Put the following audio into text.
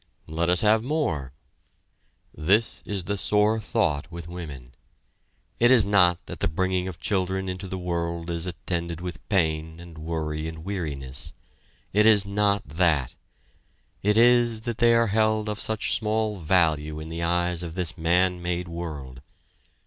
Let us have more. This is the sore thought with women. It is not that the bringing of children into the world is attended with pain and worry and weariness it is not that: it is that they are held of such small value in the eyes of this man made world.